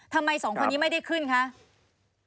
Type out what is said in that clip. ทำไมสองคนนี้ไม่ได้ขึ้นคะ